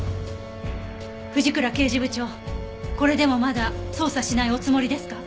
藤倉刑事部長これでもまだ捜査しないおつもりですか？